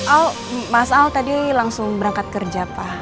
al mas al tadi langsung berangkat kerja pa